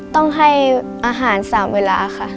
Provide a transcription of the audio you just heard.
ต้องให้อาหาร๓เวลาค่ะ